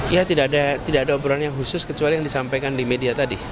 ya tidak ada obrolan yang khusus kecuali yang disampaikan di media tadi